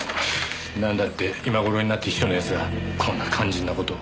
なんだって今頃になって秘書の奴がこんな肝心な事を。